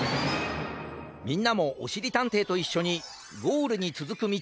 みんなもおしりたんていといっしょにゴールにつづくみちをかんがえてみよう！